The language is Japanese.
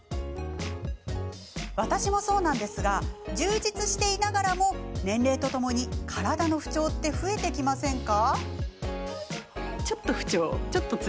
私もそうなんですが充実していながらも年齢とともに体の不調って増えてきませんか？